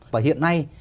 và hiện nay